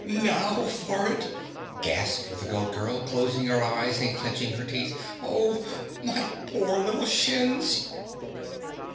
"NOW for it," gasped the Goat Girl closing her eyes and clenching her teeth. "OH! My poor little shins!"